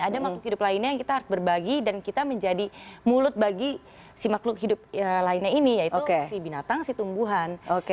ada makhluk hidup lainnya yang kita harus berbagi dan kita menjadi mulut bagi si makhluk hidup lainnya ini yaitu si binatang si tumbuhan